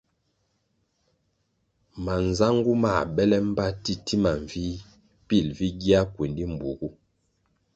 Manzangu mãh bele mbpa titima mvih pil vi gia kuendi mbpuogu.